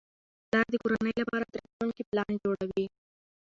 پلار د کورنۍ لپاره د راتلونکي پلان جوړوي